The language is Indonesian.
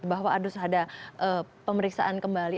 bahwa harus ada pemeriksaan kembali